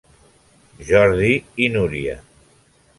Jordi i Núria.